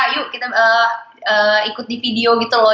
yuk kita ikut di video gitu loh